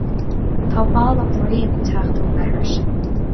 Tá boladh bréan ag teacht ón leithreas sin.